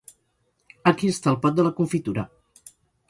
Aquí està el pot de la confitura.